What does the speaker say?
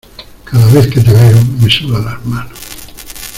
Cada vez que te veo me sudan las manos.